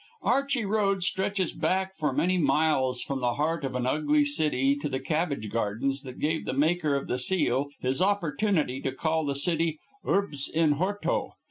Archey Road stretches back for many miles from the heart of an ugly city to the cabbage gardens that gave the maker of the seal his opportunity to call the city "urbs in horto."